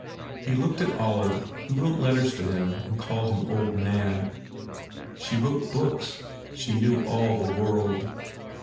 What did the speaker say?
He looked at Olive who wrote letters to him and called him old man. She wrote books. She knew all the world.